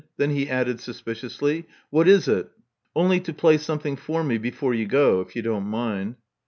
Then he added suspiciously, What is it?" Only to play something for me before you go — ^if you don't mind."